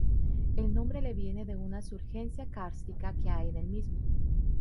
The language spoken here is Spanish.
El nombre le viene de una surgencia kárstica que hay en el mismo.